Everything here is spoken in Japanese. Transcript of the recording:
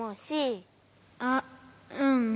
あっうん。